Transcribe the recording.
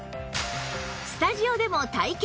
スタジオでも体験